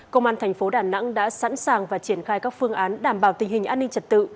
công an thành phố đà nẵng đã sẵn sàng và triển khai các phương án đảm bảo tình hình an ninh trật tự